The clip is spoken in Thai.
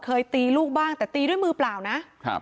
เคยตีลูกบ้างแต่ตีด้วยมือเปล่านะครับ